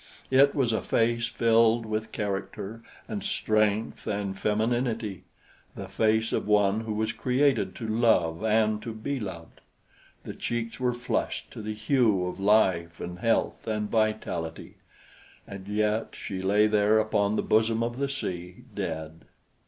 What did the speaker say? It was a face filled with character and strength and femininity the face of one who was created to love and to be loved. The cheeks were flushed to the hue of life and health and vitality, and yet she lay there upon the bosom of the sea, dead.